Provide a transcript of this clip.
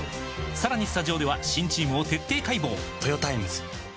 さらにスタジオでは新チームを徹底解剖！